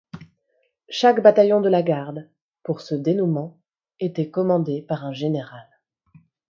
Chaque bataillon de la garde, pour ce dénouement, était commandé par un général.